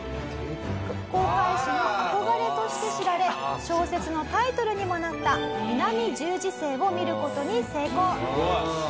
航海士の憧れとして知られ小説のタイトルにもなった南十字星を見る事に成功。